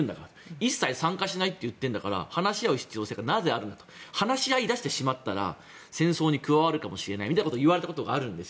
一切参加しないって言ってるんだから話し合う必要がなぜあるのか。話し合いだしてしまったら戦争に加わるかもしれないと言われたことがあるんです。